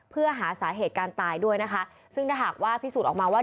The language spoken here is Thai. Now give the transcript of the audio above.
เพื่อหาสาเหตุการตายด้วยนะคะซึ่งถ้าหากว่าพิสูจน์ออกมาว่า